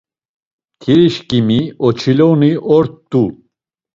Mtirişǩimi oçiloni ort̆u.